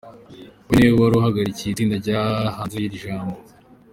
Uyu ni we wari uhagarariye itsinda ryahanze iri jambo.